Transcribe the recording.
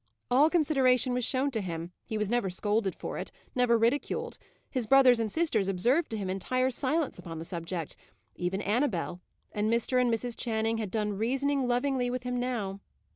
All consideration was shown to him; he was never scolded for it, never ridiculed; his brothers and sisters observed to him entire silence upon the subject even Annabel; and Mr. and Mrs. Channing had done reasoning lovingly with him now.